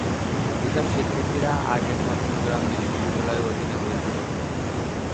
এসব শিক্ষার্থীরা আগে চট্টগ্রাম বিশ্ববিদ্যালয়ের অধীনে ভর্তি হত।